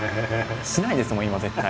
しないですもん今絶対。